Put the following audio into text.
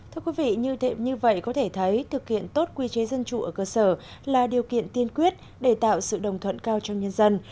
thưa quý vị như vậy có thể thấy thực hiện tốt quy chế dân chủ ở cơ sở là điều kiện tiên quyết để tạo sự đồng thuận cao trong nhân dân